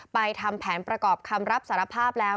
ทำแผนประกอบคำรับสารภาพแล้ว